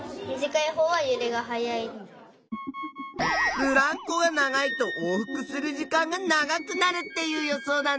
ブランコが長いと往復する時間が長くなるっていう予想だね。